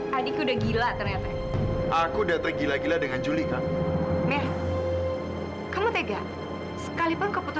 jadi mulai sekarang gak ada yang bisa menghalangi cinta aku dan julie lagi